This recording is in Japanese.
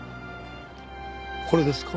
これですか？